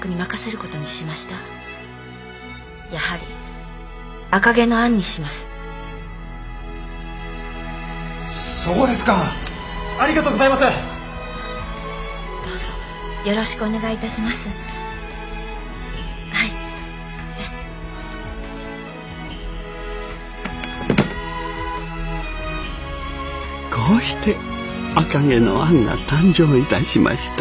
こうして「赤毛のアン」が誕生致しました。